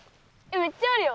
めっちゃあるよ。